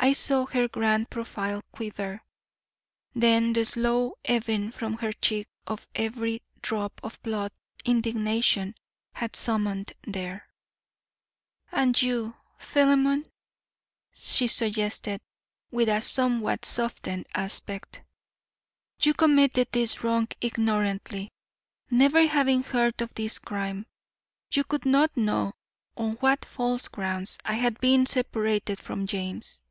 I saw her grand profile quiver, then the slow ebbing from her cheek of every drop of blood indignation had summoned there. "And you, Philemon?" she suggested, with a somewhat softened aspect. "You committed this wrong ignorantly. Never having heard of this crime, you could not know on what false grounds I had been separated from James."